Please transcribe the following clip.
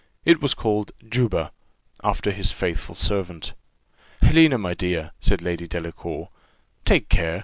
It was called Juba, after his faithful servant. "Helena, my dear," said Lady Delacour, "take care!